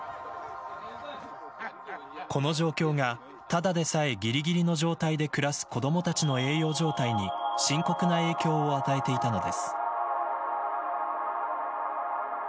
この状況が、ただでさえぎりぎりの状態で暮らす子どもたちの栄養状態に深刻な影響を与えていたのです。